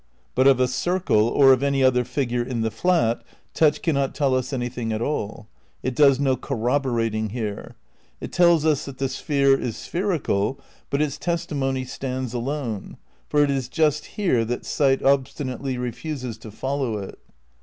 But of a circle or of any other figure in the flat touch cannot tell us anything at all. It does no corroborating here. It teUs us that the sphere is spherical ^ but its testi mony stands alone, for it is just here that sight ob stinately refuses to follow it.